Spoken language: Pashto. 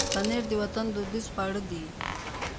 پنېر د وطن دودیز خواړه دي.